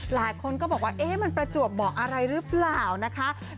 หลายคนก็บอกว่าเอ๊ะมันประจวบเหมาะอะไรหรือเปล่านะคะ